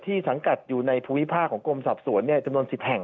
สังกัดอยู่ในภูมิภาคของกรมสอบสวนจำนวน๑๐แห่ง